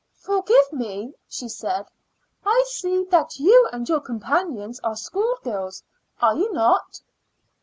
"Forgive me," she said; "I see that you and your companions are schoolgirls, are you not?"